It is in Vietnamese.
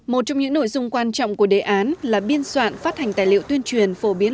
một trong những nội dung quan trọng của đề án là biên soạn phát hành tài liệu tuyên truyền phổ biến